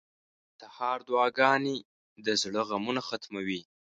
• د سهار دعاګانې د زړه غمونه ختموي.